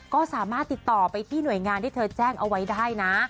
ก็สามารถติดต่อไปที่หน่วยงานที่เธอแจ้งเอาไว้ได้นะ